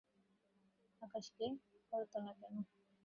আকাশকে করত না কেন?